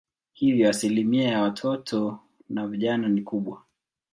Hivyo asilimia ya watoto na vijana ni kubwa.